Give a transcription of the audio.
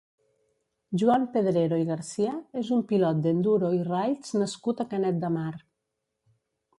Joan Pedrero i Garcia és un pilot d'enduro i raids nascut a Canet de Mar.